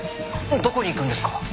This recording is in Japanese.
どこに行くんですか？